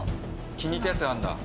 気に入ったやつがあるんだ。